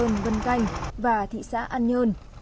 bình định vân canh và thị xã an nhơn